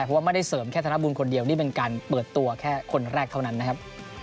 เพราะว่าไม่ได้เสริมแค่ธนบุญคนเดียวนี่เป็นการเปิดตัวแค่คนแรกเท่านั้นนะครับ